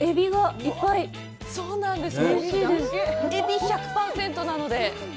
エビ１００％なので。